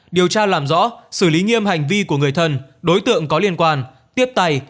điều tra làm rõ xử lý nghiêm hành vi của người thân đối tượng có liên quan tiếp tay